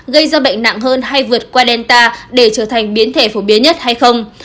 gây ra bệnh nặng hơn hay vượt qua delta để trở thành biến thể phổ biến nhất hay không